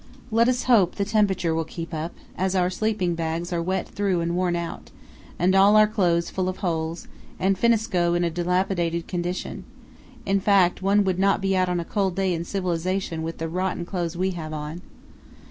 Let us hope the temperature will keep up, as our sleeping bags are wet through and worn out, and all our clothes full of holes, and finneskoe in a dilapidated condition; in fact, one would not be out on a cold day in civilization with the rotten clothes we have on.